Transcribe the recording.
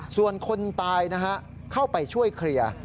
ส่วนคนตายนะฮะเข้าไปช่วยเคลียร์